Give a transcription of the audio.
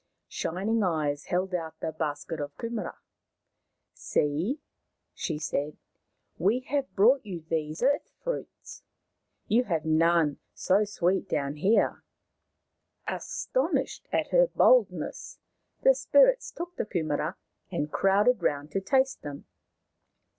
Shining Eyes held out the basket of kumaras. " See," she said, " we have brought you these earth fruits. You have none so sweet down here." Astonished at her boldness, the spirits took the kumaras and crowded round to taste them.